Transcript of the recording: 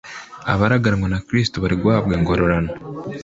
abaraganwa na kristo bari guhabwa ingororano